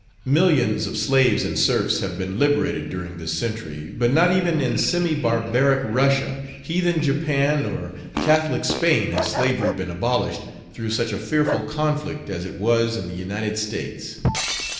Millions of slaves and serfs have been liberated during this century, but not even in semi barbaric Russia, heathen Japan, or Catholic Spain has slavery been abolished through such a fearful conflict as it was in the United States.